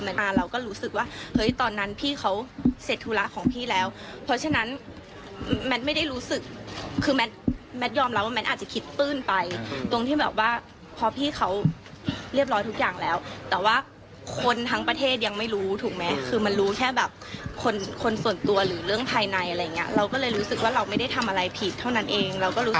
เราก็รู้สึกว่าเฮ้ยตอนนั้นพี่เขาเสร็จธุระของพี่แล้วเพราะฉะนั้นแมทไม่ได้รู้สึกคือแมทแมทยอมรับว่าแมทอาจจะคิดปื้นไปตรงที่แบบว่าพอพี่เขาเรียบร้อยทุกอย่างแล้วแต่ว่าคนทั้งประเทศยังไม่รู้ถูกไหมคือมันรู้แค่แบบคนคนส่วนตัวหรือเรื่องภายในอะไรอย่างเงี้ยเราก็เลยรู้สึกว่าเราไม่ได้ทำอะไรผิดเท่านั้นเองเราก็รู้